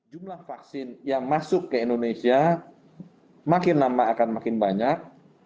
jumlah vaksin yang masuk ke indonesia makin lama akan makin banyak